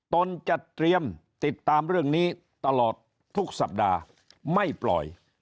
ตนจะเตรียมติดตามเรื่องนี้ตลอดทุกสัปดาห์ไม่ปล่อย